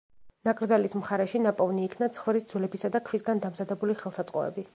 ნაკრძალის მხარეში ნაპოვნი იქნა ცხვრის ძვლებისა და ქვისგან დამზადებული ხელსაწყოები.